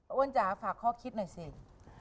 ป้าอ้วนจ๋าฝากข้อคิดหน่อยเศษ